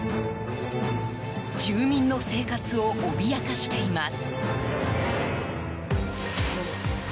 住民の生活を脅かしています。